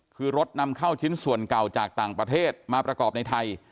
คือรถนำเข้าชิ้นส่วนเก่าจากต่างประเทศมาประกอบในไทย